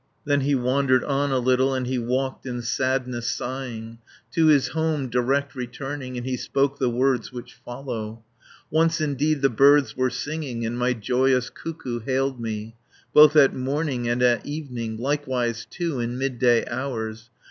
Then he wandered on a little, And he walked, in sadness sighing, To his home direct returning, And he spoke the words which follow: "Once indeed the birds were singing, And my joyous cuckoo hailed me, Both at morning and at evening, Likewise, too, in midday hours.